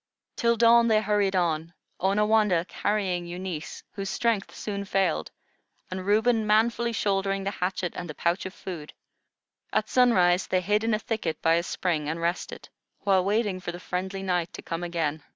Till dawn they hurried on, Onawandah carrying Eunice, whose strength soon failed, and Reuben manfully shouldering the hatchet and the pouch of food. At sunrise they hid in a thicket by a spring and rested, while waiting for the friendly night to come again.